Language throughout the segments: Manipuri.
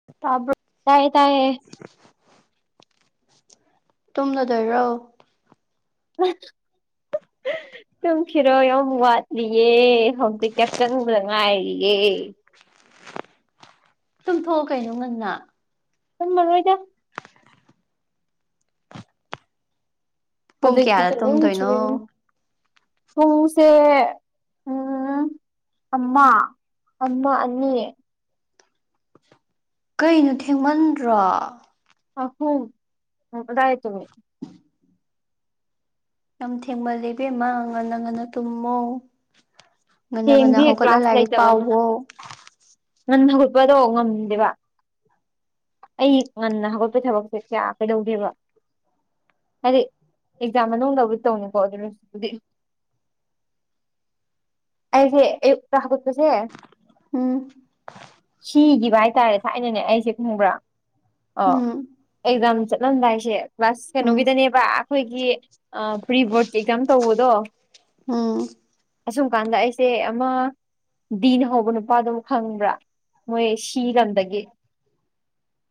[unintelligible] ꯇꯥꯏ ꯇꯥꯏ ꯇꯨꯝꯂꯗꯣꯏꯔꯣ [unintelligible] ꯇꯨꯝꯈꯤꯔꯣꯏ ꯌꯥꯝ ꯋꯥꯠꯂꯤꯌꯦ ꯍꯧꯖꯤꯛ ꯌꯥꯆꯪꯕꯗ ꯉꯥꯏꯔꯤꯌꯦ ꯇꯨꯝꯊꯣꯛꯑꯣ ꯀꯩꯅꯣ ꯉꯟꯅ ꯇꯨꯝꯃꯔꯣꯏꯗ ꯄꯨꯡ ꯍꯧꯖꯤꯛꯇꯤ ꯀꯌꯥꯗ ꯇꯨꯝꯗꯣꯏꯅꯣ ꯇꯨꯝꯅꯤꯡꯗ꯭ꯔꯤ ꯄꯨꯡꯁꯦ ꯎꯝ [unintelligible] ꯑꯃ ꯑꯃ ꯑꯅꯤ ꯀꯩꯅꯣ ꯊꯦꯡꯃꯟꯗ꯭ꯔꯣ [unintelligible] ꯀꯗꯥꯏ ꯇꯨꯝꯃꯤ ꯌꯥꯝ ꯊꯦꯡꯃꯜꯂꯦ ꯏꯕꯦꯝꯃ ꯉꯟꯅ ꯉꯟꯅ ꯇꯨꯝꯃꯣ ꯉꯟꯅ ꯉꯟꯅ ꯍꯌꯦꯡꯗꯤ ꯍꯧꯒꯠꯂ ꯀ꯭ꯂꯥꯁ ꯂꯥꯏꯔꯤꯛ ꯂꯩꯇꯕꯅꯤꯅ ꯄꯥꯎꯋꯣ ꯉꯟꯅ ꯍꯧꯒꯠꯄꯗꯣ ꯉꯝꯗꯦꯕ ꯑꯩ ꯉꯟꯅ ꯍꯧꯒꯠꯄꯩ ꯊꯕꯛꯁꯦ ꯀꯌꯥ ꯀꯩꯗꯧꯗꯦꯕ ꯍꯥꯏꯗꯤ ꯑꯦꯛꯖꯥꯝ ꯃꯅꯨꯡꯗꯕꯨ ꯇꯧꯅꯤꯀꯣ [unintelligible] ꯑꯩꯗꯤ ꯑꯌꯨꯛꯇꯥ ꯍꯧꯒꯠꯄꯁꯦ ꯎꯝ ꯈꯤꯒꯤꯕ ꯍꯥꯏꯇꯥꯔꯦ ꯊꯥꯏꯅꯅꯦ ꯑꯩꯁꯦ ꯈꯪꯕ꯭ꯔꯥ ꯑꯥ ꯎꯝ ꯑꯦꯛꯖꯥꯝ ꯆꯠꯂꯝꯗꯥꯏꯁꯦ ꯀ꯭ꯂꯥꯖ ꯎꯝ ꯀꯩꯅꯣꯒꯤꯗꯅꯦꯕ ꯑꯩꯈꯣꯏꯒꯤ ꯑꯥ ꯄ꯭ꯔꯤꯕꯣꯔꯠꯀꯤ ꯑꯦꯛꯖꯥꯝ ꯇꯧꯕꯗꯣ ꯎꯝ ꯄꯥꯟꯗ ꯑꯩꯁꯦ ꯑꯃ ꯗꯤꯅ ꯍꯧꯕ ꯅꯨꯄꯥꯗꯨ ꯈꯪꯕ꯭ꯔꯥ ꯃꯣꯏ ꯁꯤ ꯂꯝꯗꯒꯤ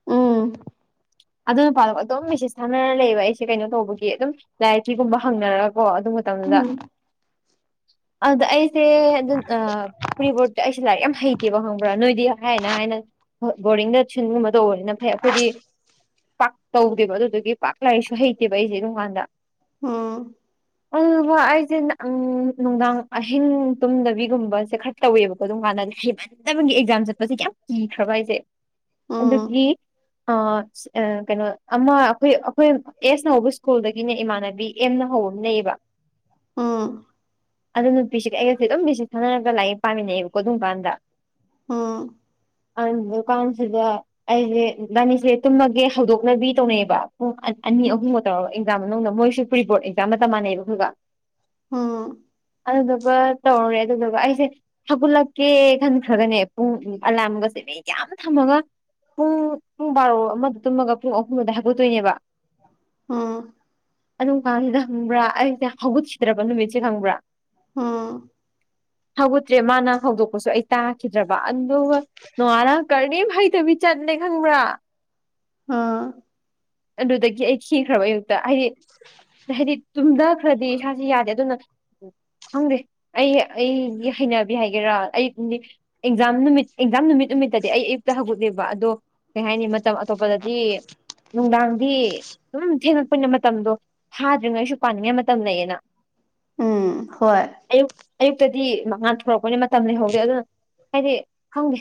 ꯎꯝ ꯑꯗꯨ ꯅꯨꯄꯥꯗꯨ ꯑꯗꯨꯝ ꯃꯦꯁꯦꯁ ꯊꯥꯟꯅꯔꯥ ꯂꯩꯕ ꯑꯩꯁꯦ ꯀꯩꯅꯣ ꯇꯧꯕꯒꯤ ꯑꯗꯨꯝ ꯂꯥꯏꯔꯤꯛꯀꯤꯒꯨꯝꯕ ꯍꯪꯅꯔꯒꯀꯣ ꯑꯗꯨ ꯃꯇꯝꯗꯨꯗ ꯑꯗꯨꯗ ꯑꯩꯁꯦ [unintelligible] ꯄ꯭ꯔꯤꯕꯣꯔꯠꯇ ꯑꯩꯁꯦ ꯂꯥꯏꯔꯤꯛ ꯌꯥꯝ ꯍꯩꯇꯦꯕ ꯈꯪꯕ꯭ꯔꯥ ꯅꯣꯏꯗꯤ ꯍꯥꯏꯅ ꯍꯥꯏꯅ ꯍꯣꯏ ꯕꯣꯔꯗꯤꯡꯗ [unintelligible] ꯒꯨꯝꯕ ꯇꯧꯕꯅꯤꯅ ꯐꯩ ꯑꯩꯈꯣꯏꯗꯤ ꯄꯥꯛ ꯇꯧꯗꯦꯕ ꯑꯗꯨꯗꯨꯒꯤ ꯄꯥꯛ ꯂꯥꯏꯔꯤꯛꯁꯨ ꯍꯩꯇꯦꯕ ꯑꯩꯖꯦ ꯑꯗꯨꯝꯀꯥꯟꯗ ꯎꯝ ꯎꯝ ꯍꯣꯏ ꯑꯩꯖꯦ ꯑꯪ ꯅꯨꯡꯗꯥꯡ ꯑꯍꯤꯡ ꯇꯨꯝꯗꯕꯤꯒꯨꯝꯕꯁꯦ ꯈꯔ ꯇꯧꯋꯦꯕꯀꯣ ꯑꯗꯨꯝ ꯀꯥꯟꯗ [unintelligible] [unintelligible] ꯑꯦꯛꯖꯥꯝ ꯆꯠꯄꯁꯦ ꯀꯌꯥꯝ ꯀꯤꯈ꯭ꯔꯕ [unintelligible] ꯎꯝ ꯎꯝ ꯑꯗꯨꯒꯤ ꯑꯥ [unintelligible] ꯀꯩꯅꯣ ꯑꯃ ꯑꯩꯈꯣꯏ ꯑꯩꯈꯣꯏ ꯑꯦꯁꯅ ꯍꯧꯕ ꯁ꯭ꯀꯨꯜꯗꯒꯤꯅꯦ ꯏꯃꯥꯟꯅꯕꯤ ꯑꯦꯝꯅ ꯍꯧꯕ ꯑꯃ ꯂꯩꯌꯦꯕ ꯑꯥ ꯑꯗꯨ ꯅꯨꯄꯤꯁꯤꯒ ꯑꯩꯒꯁꯦ ꯑꯗꯨꯝ ꯃꯦꯁꯦꯖ ꯊꯥꯅꯔꯒ ꯂꯥꯏꯔꯤꯛ ꯄꯥꯃꯤꯟꯅꯩꯕꯀꯣ ꯑꯗꯨꯝ ꯀꯥꯟꯗ ꯑꯥ [unintelligible] ꯀꯥꯟꯁꯤꯗ ꯑꯩꯖꯦ ꯏꯕꯥꯅꯤꯁꯦ ꯇꯨꯝꯃꯒꯦ ꯍꯧꯗꯣꯛꯅꯕꯤ ꯇꯧꯅꯩꯕ ꯄꯨꯡ ꯑꯅꯤ ꯑꯅꯤ ꯑꯍꯨꯝꯒ ꯇꯧꯔꯒ ꯑꯦꯛꯖꯥꯝ ꯃꯅꯨꯡꯗ ꯃꯣꯏꯁꯨ ꯄ꯭ꯔꯤꯕꯣꯔꯠ ꯑꯦꯛꯖꯥꯝ ꯃꯇꯝ ꯃꯥꯟꯅꯩꯕ ꯑꯩꯈꯣꯏꯒ ꯑꯥ ꯑꯗꯨꯗꯨꯒ ꯇꯧꯔꯦ ꯑꯗꯨꯗꯨꯒ ꯑꯩꯁꯦ ꯍꯧꯒꯠꯂꯛꯀꯦ ꯈꯟꯈ꯭ꯔꯒꯅꯦ ꯄꯨꯡ ꯑꯂꯥꯝꯒꯁꯦ ꯃꯌꯥꯝ ꯊꯝꯃꯒ ꯄꯨꯡ ꯄꯨꯡ ꯕꯥꯔꯣ ꯑꯃꯗ ꯇꯨꯝꯃꯒ ꯄꯨꯡ ꯑꯍꯨꯝꯑꯗꯥꯏ ꯍꯧꯒꯠꯇꯣꯏꯅꯦꯕ ꯑꯥ ꯑꯗꯨꯝ ꯀꯥꯟꯁꯤꯗ ꯈꯪꯕ꯭ꯔꯥ ꯑꯩꯖꯦ ꯍꯧꯒꯠꯈꯤꯗ꯭ꯔꯥꯕ ꯅꯨꯃꯤꯠꯁꯦ ꯈꯪꯕ꯭ꯔꯥ ꯑꯥ ꯍꯧꯒꯠꯇ꯭ꯔꯦ ꯃꯥꯅ ꯍꯧꯗꯣꯛꯄꯁꯨ ꯑꯩ ꯇꯥꯈꯤꯗ꯭ꯔꯥꯕ ꯑꯗꯨꯒ ꯅꯣꯡꯉꯥꯜꯂ ꯀ꯭ꯔꯤꯝ ꯍꯩꯇꯕꯤ ꯆꯠꯂꯦ ꯈꯪꯕ꯭ꯔꯥ ꯑꯥ ꯑꯗꯨꯗꯒꯤ ꯑꯩ ꯈꯤꯈ꯭ꯔꯥꯕ ꯑꯌꯨꯛꯇ ꯍꯥꯏꯗꯤ ꯍꯥꯏꯗꯤ ꯇꯨꯝꯊꯈ꯭ꯔꯗꯤ ꯏꯁꯥꯁꯦ ꯌꯥꯗꯦ ꯑꯗꯨꯅ ꯎꯝ ꯈꯪꯗꯦ ꯑꯩ ꯑꯩꯒꯤ ꯍꯩꯅꯕꯤ ꯍꯥꯏꯒꯦꯔꯥ ꯑꯩꯗꯤ ꯑꯦꯛꯖꯥꯝ ꯅꯨꯃꯤꯠ ꯑꯦꯛꯖꯥꯝ ꯅꯨꯃꯤꯠ ꯅꯨꯃꯤꯠꯇꯗꯤ ꯑꯩ ꯑꯌꯨꯛꯇ ꯍꯧꯒꯠꯂꯦꯕ ꯑꯗꯣ ꯀꯩ ꯍꯥꯏꯅꯤ ꯃꯇꯝ ꯑꯇꯣꯞꯄꯗꯗꯤ ꯅꯨꯡꯗꯥꯡꯗꯤ ꯗꯨꯝ ꯊꯦꯡꯉꯛꯄꯅ ꯃꯇꯝꯗꯣ ꯐꯥꯗ꯭ꯔꯤꯉꯩꯁꯨ ꯄꯥꯅꯤꯡꯉꯥꯏ ꯃꯇꯝ ꯂꯩꯌꯦꯅ ꯎꯝ ꯍꯣꯏ ꯑꯌꯨꯛ ꯑꯌꯨꯛꯇꯗꯤ ꯉꯥꯟꯊꯣꯔꯛꯄꯅꯤ ꯃꯇꯝ ꯂꯩꯍꯧꯗꯦ ꯑꯗꯨꯅ ꯍꯥꯏꯗꯤ ꯈꯪꯗꯦ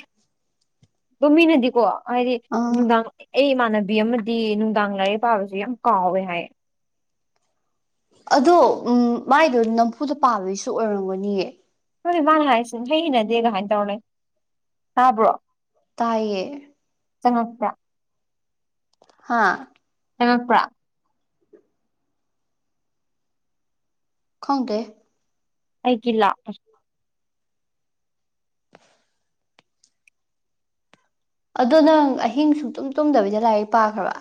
ꯑꯗꯣꯝ ꯃꯤꯅꯗꯤꯀꯣ ꯍꯥꯏꯗꯤ ꯑꯥ ꯅꯨꯡꯗꯥꯡ ꯑꯩ ꯏꯃꯥꯟꯅꯕꯤ ꯑꯃꯗꯤ ꯅꯨꯡꯗꯥꯡ ꯂꯥꯏꯔꯤꯛ ꯄꯥꯕꯖꯦ ꯌꯥꯝ ꯀꯥꯎꯋꯦ ꯍꯥꯏ ꯑꯗꯣ ꯎꯝ ꯃꯥꯏꯗꯣ ꯅꯝꯐꯨꯗ ꯄꯥꯕꯩꯁꯨ ꯑꯣꯏꯔꯝꯒꯅꯤꯌꯦ ꯈꯪꯗꯦ ꯃꯥꯅ ꯍꯥꯏꯁꯤꯅ ꯢꯍꯩ ꯍꯩꯩꯅꯗꯦ [unintelligible] ꯇꯧꯔꯥ ꯂꯩ ꯇꯥꯕ꯭ꯔꯣ ꯇꯥꯏꯌꯦ ꯆꯪꯉꯛꯄ꯭ꯔꯥ ꯍꯥꯥ ꯆꯪꯉꯛꯄ꯭ꯔꯥ ꯈꯪꯗꯦ ꯑꯩꯒꯤ ꯂꯥꯛꯑꯦ ꯑꯗꯨ ꯅꯪ ꯑꯍꯤꯡ ꯁꯨꯡꯇꯨꯝ ꯇꯨꯝꯗꯕꯤꯗ ꯂꯥꯏꯔꯤꯛ ꯄꯥꯈ꯭ꯔꯕ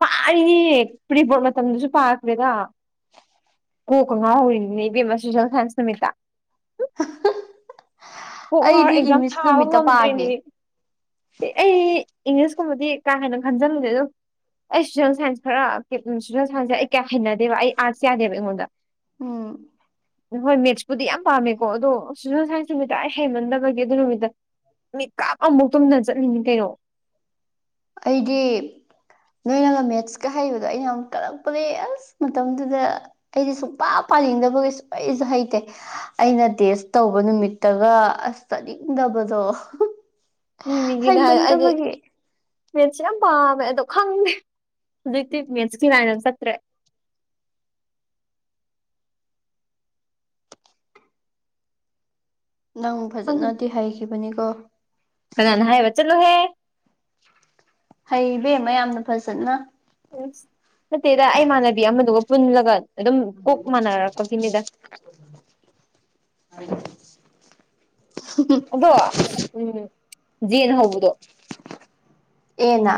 ꯄꯥꯔꯣꯅꯦ ꯄ꯭ꯔꯤꯕꯣꯠ ꯃꯇꯝꯗꯁꯨ ꯄꯥꯈ꯭ꯔꯦꯗ ꯀꯣꯛꯀ ꯉꯥꯎꯔꯤꯅꯤꯅꯦ ꯏꯕꯦꯝꯃ ꯁꯣꯁꯦꯜ ꯁꯥꯏꯟꯁ ꯅꯨꯃꯤꯠꯇ ꯀꯣꯛꯉꯥꯎꯔ ꯑꯩꯗꯤ ꯑꯦꯛꯖꯥꯝ ꯏꯪꯂꯤꯁ ꯊꯥꯕ ꯅꯨꯃꯤꯠꯇ ꯄꯥꯒꯦ ꯉꯝꯗ꯭ꯔꯤꯅꯦ ꯑꯩ ꯏꯪꯂꯤꯁꯀꯨꯝꯕꯗꯤ ꯀꯥ ꯍꯦꯟꯅ ꯈꯟꯖꯟꯂꯨꯗꯦ ꯑꯗꯨ ꯑꯩ ꯁꯣꯁꯦꯜ ꯁꯥꯏꯟꯁ ꯈꯔ ꯁꯣꯁꯦꯜ ꯁꯥꯏꯟꯁꯁꯦ ꯑꯩ ꯀꯌꯥ ꯍꯩꯅꯗꯦꯕ ꯑꯩ ꯑꯥꯔꯠꯁ ꯌꯥꯗꯦꯕ ꯑꯩꯉꯣꯟꯗ ꯎꯝ ꯍꯣꯏ ꯃꯦꯠꯁꯄꯨꯗꯤ ꯌꯥꯝ ꯄꯥꯝꯃꯦꯀꯣ ꯑꯗꯣ ꯁꯣꯁꯦꯜ ꯁꯥꯏꯟꯁ ꯅꯨꯃꯤꯠ ꯇ ꯑꯩ ꯍꯩꯃꯟꯗꯕꯒꯦ ꯑꯗꯨ ꯅꯨꯃꯤꯠꯇ ꯃꯤꯠꯀꯞ ꯑꯃꯕꯨꯛ ꯇꯨꯝꯗꯅ ꯆꯠꯂꯤꯅꯤ ꯀꯩꯅꯣ ꯑꯩꯗꯤ ꯅꯣꯏꯅꯒ ꯃꯦꯠꯁꯀ ꯍꯩꯕꯗꯣ ꯑꯩꯅ ꯌꯥꯝ ꯀꯜꯂꯛꯄꯅꯦ ꯑꯁ ꯃꯇꯝꯗꯨꯗ ꯑꯩꯗꯤ ꯁꯨꯡꯄꯥ ꯄꯥꯅꯤꯡꯗꯕꯒꯤ ꯁꯨꯛ ꯍꯩꯖꯨ ꯍꯩꯇꯦ ꯑꯩꯅ ꯇꯦꯁ ꯇꯧꯕ ꯅꯨꯃꯤꯠꯇꯒ ꯑꯁ ꯆꯠꯅꯤꯡꯗꯕꯗꯣ ꯃꯤ ꯃꯤꯒꯤꯅꯦ ꯍꯥꯏ ꯑꯩꯗꯤ ꯃꯦꯠꯁꯦ ꯌꯥꯝ ꯄꯥꯝꯃꯦ ꯑꯗꯣ ꯈꯪꯗꯦ ꯍꯧꯖꯤꯛꯇꯤ ꯃꯦꯠꯁꯀꯤ ꯂꯥꯏꯟꯗ ꯆꯠꯇ꯭ꯔꯦ ꯅꯪ ꯈꯪꯗꯦ ꯐꯖꯅꯗꯤ ꯍꯩꯈꯤꯕꯅꯤꯀꯣ ꯀꯅꯥꯅ ꯍꯥꯏꯕ ꯆꯠꯂꯣꯍꯦ ꯍꯩ ꯏꯕꯦꯝꯃ ꯌꯥꯝꯅ ꯐꯖꯅ ꯅꯠꯇꯦꯗ ꯑꯩ ꯏꯃꯥꯟꯅꯕꯤ ꯑꯃꯗꯨꯒ ꯄꯨꯜꯂꯒ ꯑꯗꯨꯝ ꯀꯣꯛ ꯃꯥꯟꯅꯔꯛꯄꯒꯤꯅꯤꯗ ꯑꯗꯣ ꯎꯝ ꯖꯦꯅ ꯍꯧꯕꯗꯣ ꯑꯦꯅ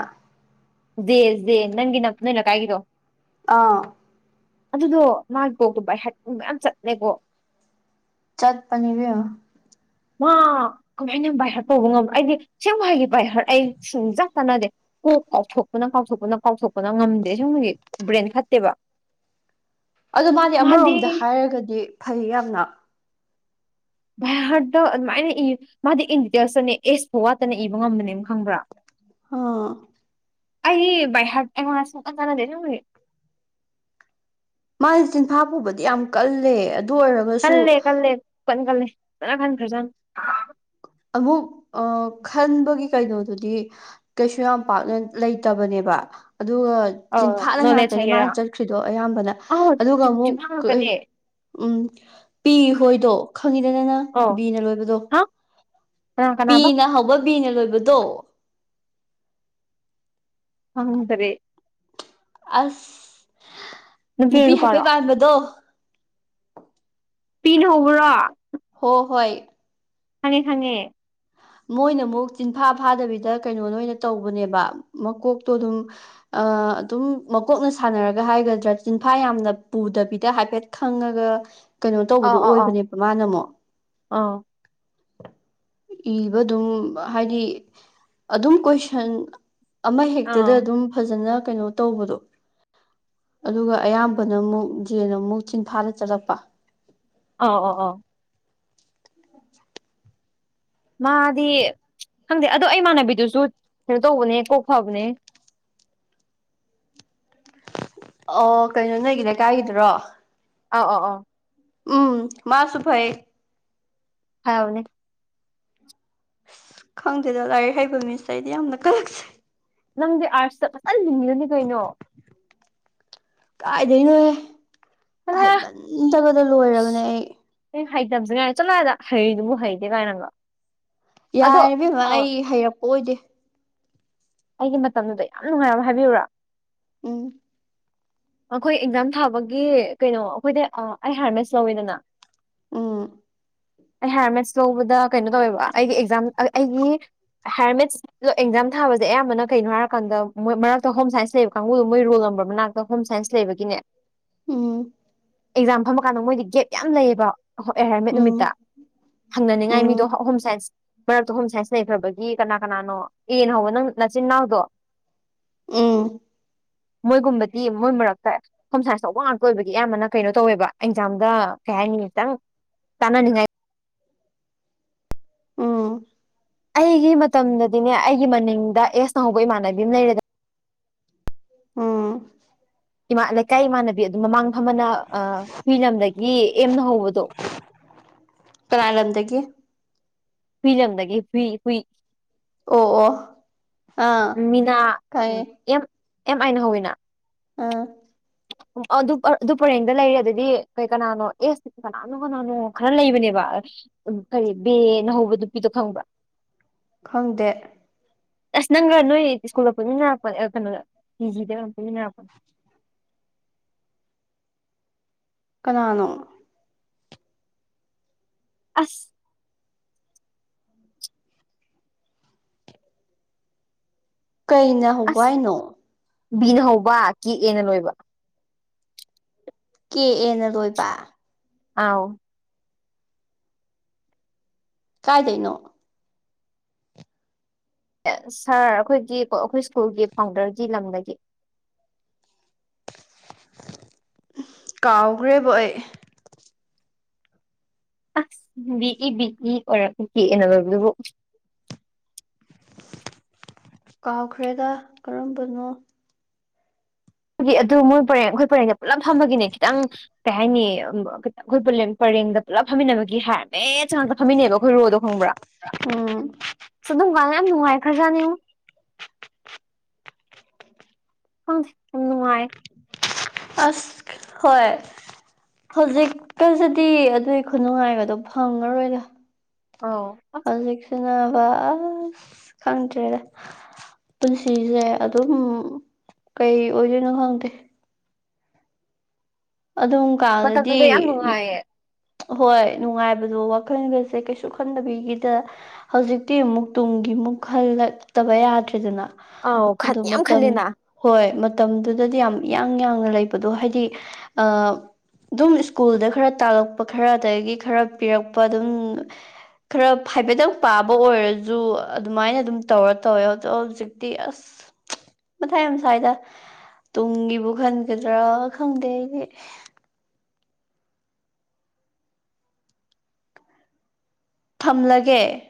ꯖꯦ ꯖꯦ ꯅꯪꯒꯤ ꯅꯪ ꯅꯣꯏ ꯂꯩꯀꯥꯏꯒꯤꯗꯣ ꯑꯥ ꯑꯗꯨꯗꯣ ꯃꯥꯒꯤ ꯀꯣꯛꯇꯣ ꯕꯥꯥꯏꯍꯠ ꯃꯌꯥꯝ ꯆꯠꯂꯦꯀꯣ ꯆꯠꯄꯅꯤ ꯏꯕꯦꯝꯃ ꯃꯥ ꯀꯃꯥꯏꯅ ꯕꯥꯏ ꯍꯔꯠ ꯇꯧꯕ ꯉꯝꯕ ꯑꯩꯗꯤ ꯑꯁꯦꯡꯕ ꯍꯥꯏꯒꯦ ꯕꯥꯏ ꯍꯔꯠ ꯑꯩ ꯁꯨꯡꯆ ꯆꯥꯟꯅꯗꯦ ꯀꯣꯛ ꯀꯥꯎꯊꯣꯛꯄꯅ ꯀꯥꯎꯊꯣꯛꯄꯅ ꯀꯥꯎꯊꯣꯛꯄꯅ ꯉꯝꯗꯦ ꯑꯁꯦꯡꯕꯒꯤ ꯕ꯭ꯔꯦꯟ ꯐꯠꯇꯦꯕ ꯑꯗꯣ ꯃꯥꯗꯤ ꯑꯃꯔꯣꯝꯗ ꯍꯥꯏꯔꯒꯗꯤ ꯐꯩꯌꯦ ꯌꯥꯝꯅ ꯚꯥꯏꯍꯔꯠꯇꯣ ꯑꯗꯨꯃꯥꯏꯅ ꯏ ꯃꯥꯗꯤ ꯏꯟ ꯗꯤꯇꯦꯜꯁꯇꯅꯦ ꯑꯦꯁ ꯐꯥꯎ ꯋꯥꯠꯇꯅ ꯏꯕ ꯉꯝꯕꯅꯦ ꯈꯪꯕ꯭ꯔꯥ ꯍꯥ ꯑꯩ ꯕꯥꯏ ꯍꯔꯠ ꯑꯩꯉꯣꯟꯗ ꯁꯨꯡꯆꯥꯟ ꯆꯥꯟꯅꯗꯦ ꯑꯁꯦꯡꯕꯒꯤ ꯃꯥꯁꯦ ꯆꯤꯟꯐꯥ ꯄꯨꯕꯗꯤ ꯌꯥꯝ ꯀꯜꯂꯦ ꯑꯗꯨ ꯑꯣꯏꯔꯒ ꯀꯜꯂꯦ ꯀꯜꯂꯦ ꯈꯨꯀꯟ ꯀꯜꯂꯦ ꯐꯖꯅ ꯀꯟꯈꯔ꯭ꯖꯥꯠꯅꯤ ꯑꯃꯨꯛ ꯑ ꯈꯟꯕꯒꯤ ꯀꯩꯅꯣꯗꯨꯗꯤ ꯀꯩꯁꯨ ꯌꯥꯝ ꯄꯥꯛꯅ ꯂꯩꯇꯕꯅꯦꯕ ꯑꯗꯨꯒ ꯑꯧ ꯆꯤꯟꯐꯥꯗ ꯅꯣꯂꯦꯖ ꯉꯥꯛꯇꯅꯦ ꯃꯥꯅ ꯍꯥꯏꯒꯦꯔꯥ ꯆꯠꯈ꯭ꯔꯤꯗꯣ ꯑꯌꯥꯝꯕꯅ ꯑꯧ ꯑꯗꯨꯒ ꯑꯃꯨꯛ ꯖꯤꯝꯐꯥ ꯀꯩ ꯉꯥꯛꯇꯅꯦ ꯎꯝ ꯄꯤ ꯍꯣꯏꯗꯣ ꯈꯪꯉꯤꯗꯅ ꯅꯪ ꯑꯧ ꯕꯤꯅ ꯂꯣꯏꯕꯗꯣ ꯍꯥ ꯀꯅꯥ ꯀꯅꯥꯕ ꯄꯤꯅ ꯍꯧꯕ ꯕꯤꯅ ꯂꯣꯏꯕꯗꯣ ꯈꯪꯗ꯭ꯔꯦ ꯑꯁ ꯅꯨꯄꯤꯔ ꯅꯨꯄꯤ ꯍꯥꯏꯐꯦꯠ ꯅꯨꯄꯥꯔꯣ ꯄꯥꯟꯕꯗꯣ ꯄꯤꯅ ꯍꯧꯕꯔꯣ ꯍꯣ ꯍꯣꯏ ꯈꯪꯉꯦ ꯈꯪꯉꯦ ꯃꯣꯏꯅ ꯑꯃꯨꯛ ꯆꯤꯟꯐꯥ ꯐꯥꯗꯕꯤꯗ ꯀꯩꯅꯣꯅ ꯑꯣꯏꯅ ꯇꯧꯕꯅꯦꯕ ꯃꯀꯣꯛꯇꯣ ꯑꯗꯨꯝ ꯑ ꯑꯗꯨꯝ ꯃꯀꯣꯛꯅ ꯁꯥꯟꯅꯔꯒ ꯍꯥꯏꯒꯗ꯭ꯔꯥ ꯆꯤꯟꯐꯥ ꯌꯥꯝꯅ ꯄꯨꯗꯕꯤꯗ ꯍꯥꯏꯐꯦꯠ ꯈꯪꯉꯒ ꯀꯩꯅꯣ ꯇꯧꯕꯗꯣ ꯑꯣꯏꯕꯅꯦꯕ ꯃꯥꯅ ꯑꯃꯨꯛ ꯑꯥꯎ ꯏꯕ ꯑꯗꯨꯝ ꯍꯥꯏꯗꯤ ꯑꯗꯨꯝ ꯀꯣꯏꯁꯟ ꯑꯃ ꯑꯧ ꯍꯦꯛꯇꯗ ꯑꯧ ꯑꯗꯨꯝ ꯐꯖꯅ ꯀꯩꯅꯣ ꯇꯧꯕꯗꯣ ꯑꯗꯨꯒ ꯑꯌꯥꯝꯕꯅ ꯑꯃꯨꯛ ꯖꯦꯅ ꯑꯃꯨꯛ ꯆꯤꯟꯐꯥꯗ ꯆꯠꯂꯛꯄ ꯑꯥ ꯑꯣ ꯑꯣ ꯃꯥꯗꯤ ꯈꯪꯗꯦ ꯑꯗꯣ ꯑꯩ ꯏꯃꯥꯟꯅꯕꯤꯗꯨꯁꯨ ꯀꯩꯅꯣ ꯇꯧꯕꯅꯦ ꯀꯣꯛ ꯐꯕꯅꯦ ꯑꯣ ꯀꯩꯅꯣ ꯅꯣꯏꯒꯤ ꯂꯩꯀꯥꯏꯒꯤꯗꯨꯔꯣ ꯑꯥꯎ ꯑꯥꯎ ꯎꯝ ꯃꯥꯁꯨ ꯐꯩ ꯐꯕꯅꯦ ꯈꯪꯗꯦꯗ ꯂꯥꯏꯔꯤꯛ ꯍꯩꯕ ꯃꯤꯁꯦ ꯑꯩꯗꯤ ꯌꯥꯝꯅ ꯀꯜꯂꯛꯆꯩ꯫ ꯅꯪꯗꯤ ꯑꯥꯔꯠꯁꯇ ꯐꯖꯅ ꯂꯤꯡꯉꯤꯗꯨꯅꯤ ꯀꯩꯅꯣ ꯀꯥꯏꯗꯩꯅꯣꯍꯦ ꯆꯠꯂꯣꯍꯦ ꯍꯩꯃꯟꯗꯕꯗ ꯂꯣꯏꯔꯕꯅꯦ ꯑꯩ꯫ [unintelligible] ꯆꯠꯂꯣꯍꯦ ꯑꯗ ꯍꯩꯔꯤꯗꯨꯕꯨ ꯍꯩꯇꯦ ꯀꯥꯏꯅꯒ ꯑꯗꯣ ꯌꯥꯔꯦ ꯏꯕꯦꯝꯃ ꯑ ꯑꯩ ꯍꯩꯔꯛꯄ ꯑꯣꯏꯗꯦ꯫ ꯑꯩꯒꯤ ꯃꯇꯝꯗꯨꯗ ꯌꯥꯝ ꯅꯨꯡꯉꯥꯏꯕ ꯑꯃ ꯍꯥꯏꯕꯤꯌꯨꯨꯔꯥ꯫ ꯎꯝ ꯑꯈꯣꯏ ꯑꯦꯛꯖꯥꯝ ꯊꯥꯕꯒꯤ ꯀꯩꯅꯣ ꯑꯩꯈꯣꯏꯗꯤ ꯑꯩ ꯍꯥꯏꯌꯥꯔꯃꯦꯁ ꯂꯧꯋꯤꯗꯅ꯫ ꯎꯝ ꯑꯩ ꯍꯥꯏꯌꯔ ꯃꯦꯁ ꯂꯧꯕꯗ ꯀꯩꯅꯣ ꯇꯧꯋꯦꯕ ꯑꯩꯒꯤ ꯑꯦꯛꯖꯥꯝ ꯑꯩ ꯑꯩꯒꯤ ꯍꯥꯏꯌꯥꯔꯃꯦꯠꯁ ꯑꯦꯛꯖꯥꯝ ꯊꯥꯕꯁꯦ ꯑꯌꯥꯝꯕꯅ ꯀꯩꯅꯣ ꯍꯥꯏꯔꯀꯥꯟꯗ ꯃꯣꯏ ꯃꯔꯛ ꯍꯣꯝ ꯁꯥꯏꯟꯁ ꯂꯩꯕ ꯀꯥꯡꯕꯨꯗꯣ ꯃꯣꯏ ꯔꯣꯜ ꯅꯝꯕꯔ ꯃꯅꯥꯛꯇ ꯍꯣꯝ ꯁꯥꯏꯟꯁ ꯂꯩꯕꯒꯤꯅꯦ ꯎꯝ ꯑꯦꯛꯖꯥꯝ ꯐꯝꯃ ꯀꯥꯟꯗ ꯃꯣꯏꯗꯤ ꯒꯦꯞ ꯌꯥꯝ ꯂꯩꯌꯦꯕ ꯑꯍꯣ ꯑꯩ ꯍꯥꯏꯌꯔꯃꯦꯠ ꯎꯝ ꯅꯨꯃꯤꯠꯇ ꯍꯪꯅꯅꯤꯉꯥꯏ ꯃꯤꯗꯣ ꯎꯝ ꯍꯣꯝ ꯁꯥꯏꯟꯁ ꯃꯔꯛꯇꯣ ꯍꯣꯝ ꯁꯥꯏꯟꯁ ꯂꯩꯈ꯭ꯔꯕꯒꯤ ꯀꯅꯥ ꯀꯅꯥꯅꯣ ꯑꯦꯅ ꯍꯧꯕ ꯅꯪ ꯅꯆꯤꯟꯅꯥꯎꯗꯣ ꯎꯝ ꯃꯣꯏꯒꯨꯝꯕꯗꯤ ꯃꯣꯏ ꯃꯔꯛꯇ ꯍꯣꯝ ꯁꯥꯏꯟꯁ ꯂꯧꯕ ꯉꯥꯛꯇ ꯑꯣꯏꯕꯒꯤ ꯑꯌꯥꯝꯕꯅ ꯀꯩꯅꯣ ꯇꯧꯋꯦꯕ ꯑꯦꯛꯖꯥꯝꯗ ꯀꯩ ꯍꯥꯏꯅꯤ ꯈꯤꯇꯪ ꯇꯥꯟꯅꯅꯤꯡꯉꯥꯏ ꯎꯝ ꯑꯩꯒꯤ ꯃꯇꯝꯗꯗꯤꯅꯦ ꯑꯩꯒꯤ ꯃꯅꯤꯡꯗ ꯑꯦꯁ ꯅ ꯍꯧꯕ ꯏꯃꯥꯟꯅꯕꯤ ꯑꯃ ꯂꯩꯔꯦꯗ ꯎꯝ ꯏꯃꯥ ꯂꯩꯀꯥꯏ ꯏꯃꯥꯟꯅꯕꯤ ꯑꯗꯨꯝ ꯃꯃꯥꯡ ꯐꯝꯕꯅ ꯑ ꯍꯨꯏ ꯂꯝꯗꯒꯤ ꯑꯦꯝꯅ ꯍꯧꯕꯗꯣ ꯀꯅꯥꯥ ꯂꯝꯗꯒꯤ ꯍꯨꯏ ꯂꯝꯗꯒꯤ ꯍꯨꯏ ꯍꯨꯏ ꯑꯣ ꯑꯣ ꯑꯥ ꯃꯤꯅꯥ ꯈꯪꯉꯦ ꯑꯦꯝ ꯑꯦꯝ ꯑꯥꯏꯅ ꯍꯧꯋꯤꯅ ꯑꯥ ꯎ ꯑꯗꯨ ꯑꯗꯨ ꯄꯔꯦꯡꯗ ꯂꯩꯔꯦ ꯑꯗꯨꯗꯤ ꯀꯩ ꯀꯅꯥꯅꯣ ꯑꯦꯁ ꯀꯅꯥꯅꯣ ꯀꯅꯥꯅꯣ ꯈꯔ ꯂꯩꯕꯅꯦꯕ ꯎ ꯀꯔꯤ ꯕꯦꯅ ꯍꯧꯕ ꯅꯨꯄꯤꯗꯣ ꯈꯪꯕ꯭ꯔ? ꯈꯪꯗꯦ ꯑꯁ ꯅꯪꯒ ꯅꯣꯏ ꯁ꯭ꯀꯨꯜꯒ ꯄꯨꯤꯃꯤꯟꯅꯔꯛꯄꯅꯦ ꯀꯩꯅꯣ ꯇꯤ ꯖꯤꯗ ꯑꯣꯏꯅ ꯄꯨꯤꯃꯤꯟꯅꯔꯛꯄꯅꯦ꯫ ꯀꯅꯥꯅꯣ ꯑꯁ ꯀꯩꯅ ꯍꯧꯕ ꯑꯁ ꯍꯥꯏꯅꯣ꯫ ꯕꯤꯅ ꯍꯧꯕ ꯀꯦ ꯑꯦꯅ ꯂꯣꯏꯕ꯫ ꯀꯦ ꯑꯦꯅ ꯂꯣꯏꯕ ꯑꯥꯎ ꯀꯥꯏꯗꯩꯅꯣ ꯁꯥꯔ ꯑꯩꯈꯣꯏꯒꯤ ꯑꯩꯈꯣꯏ ꯁ꯭ꯀꯨꯜꯒꯤ ꯐꯥꯎꯟꯗꯔꯒꯤ ꯂꯝꯗꯒꯤ ꯀꯥꯎꯈ꯭ꯔꯦꯕꯣ ꯑꯩ ꯑꯁ ꯕꯤꯛꯏ ꯕꯤꯛꯏ ꯑꯣꯏꯔꯛ ꯄ ꯀꯦꯑꯦꯅ ꯂꯣꯏꯔꯛꯄꯗꯨꯕꯨ ꯀꯥꯎꯈ꯭ꯔꯦꯗ ꯀꯔꯝꯕꯅꯣ ꯒꯤ ꯑꯗꯨ ꯃꯣꯏ ꯄꯔꯦꯡ ꯑꯩꯈꯣꯏ ꯄꯔꯦꯡ ꯄꯨꯂꯞ ꯐꯝꯕꯒꯤꯅꯦ ꯈꯤꯇꯪ ꯀꯩ ꯍꯥꯏꯅꯤ [unintelligible] ꯑꯩꯈꯣꯏ ꯄꯔꯦꯡꯗ ꯄꯨꯂꯞ ꯐꯝꯃꯤꯟꯅꯕꯒꯤ ꯍꯥꯏ ꯑꯦ ꯆꯥꯡꯗ ꯐꯝꯃꯤꯅꯦꯕ ꯑꯈꯣꯏ ꯔꯣꯗꯣ ꯈꯪꯕ꯭ꯔꯥ ꯎꯝ ꯁꯨꯗꯨꯝꯕ ꯌꯥꯝ ꯅꯨꯡꯉꯥꯏꯈ꯭ꯔꯖꯥꯠꯅꯤꯉꯣ ꯈꯪꯗꯦ ꯌꯥꯝ ꯅꯨꯡꯉꯥꯏ ꯑꯁ ꯍꯣꯏ ꯍꯨꯖꯤꯛꯀꯁꯤꯗꯤ ꯑꯗꯨꯏ ꯈꯨꯅꯨꯡꯉꯥꯏꯒꯗꯣ ꯐꯪꯉꯔꯣꯏꯗ ꯑꯣ ꯑꯁ ꯍꯧꯖꯤꯛꯁꯤꯟꯅꯕ ꯑꯁ ꯈꯪꯗ꯭ꯔꯦꯗ ꯄꯨꯟꯁꯤꯁꯦ ꯑꯗꯨꯝ ꯀꯩ ꯑꯣꯏꯗꯣꯏꯅꯣ ꯈꯪꯗꯦ ꯑꯗꯨꯝ ꯀꯥꯟꯗꯗꯤ ꯃꯇꯝꯗꯨꯗ ꯌꯥꯝ ꯅꯨꯡꯉꯥꯏꯌꯦ ꯍꯣꯏ ꯅꯨꯡꯉꯥꯏꯕꯗꯣ ꯋꯥꯈꯜꯒꯁꯦ ꯀꯩꯁꯨ ꯈꯟꯗꯕꯤꯒꯤꯗ ꯍꯧꯖꯤꯛꯇꯤ ꯑꯃꯨꯛ ꯇꯨꯡꯒꯤ ꯃꯨꯛ ꯍꯜꯂꯛꯇꯕ ꯌꯥꯗ꯭ꯔꯦꯗꯅ ꯑꯧ ꯑꯗꯨ ꯌꯥꯝ ꯃꯇꯝ ꯈꯜꯂꯦꯅ ꯍꯣꯏ ꯃꯇꯝꯗꯨꯗꯗꯤ ꯌꯥꯝ ꯏꯌꯥꯡ ꯌꯥꯡꯅ ꯂꯩꯕꯗꯣ ꯍꯥꯏꯗꯤ ꯑ ꯗꯨꯝ ꯁ꯭ꯀꯨꯜꯗ ꯈꯔ ꯇꯥꯜꯂꯛꯄ ꯈꯔ ꯑꯗꯒꯤ ꯈꯔ ꯄꯤꯔꯛꯄ ꯑꯗꯨꯝ ꯈꯔ ꯍꯥꯏꯐꯦꯠꯇꯪ ꯄꯥꯕ ꯑꯣꯏꯔꯖꯨ ꯑꯗꯨꯃꯥꯏꯅ ꯑꯗꯨꯝ ꯇꯧꯔ ꯇꯧꯋꯦ ꯑꯗꯣ ꯍꯧꯖꯤꯛꯇꯤ ꯑꯁ ꯃꯊꯥ ꯌꯥꯃ ꯁꯥꯏꯗ ꯇꯨꯡꯒꯤꯕꯨ ꯈꯟꯒꯗ꯭ꯔꯥ ꯈꯪꯗꯦ ꯑꯩꯗꯤ ꯊꯝꯂꯒꯦ